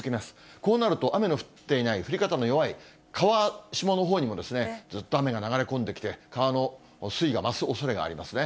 こうなると、雨の降っていない、降り方の弱い川下のほうにもずっと雨が流れ込んできて、川の水位が増すおそれがありますね。